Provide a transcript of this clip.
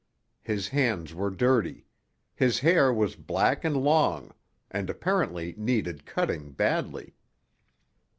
His hands were dirty; his hair was black and long, and apparently needed cutting badly.